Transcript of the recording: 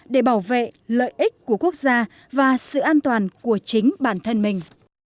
để bảo vệ lợi ích của quốc gia và sự an toàn của chính bản thân mình